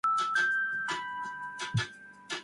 風がどうっと室の中に入ってきました